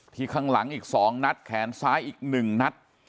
ที่ข้างหลังอีกสองนัดแขนซ้ายอีกหนึ่งนัด